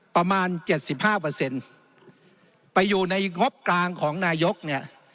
ประมาณ๗๕ไปอยู่ในงบกลางของนายกเนี่ย